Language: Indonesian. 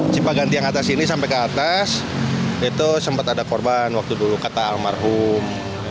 cipaganti yang atas sini sampai ke atas itu sempat ada korban waktu dulu kata almarhum